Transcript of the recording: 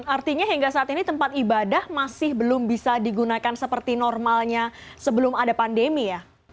artinya hingga saat ini tempat ibadah masih belum bisa digunakan seperti normalnya sebelum ada pandemi ya